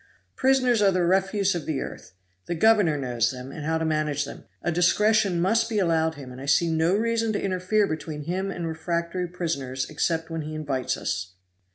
Prisoners are the refuse of the earth. The governor knows them, and how to manage them. A discretion must be allowed him, and I see no reason to interfere between him and refractory prisoners except when he invites us."